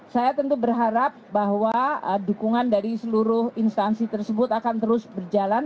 saya tentu berharap bahwa dukungan dari seluruh instansi tersebut akan terus berjalan